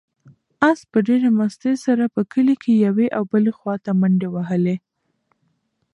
آس په ډېرې مستۍ سره په کلي کې یوې او بلې خواته منډې وهلې.